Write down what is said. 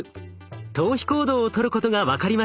逃避行動をとることが分かりました。